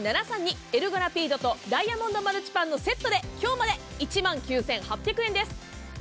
エルゴラピードとダイヤモンドマルチパンのセットで今日まで１万９８００円です。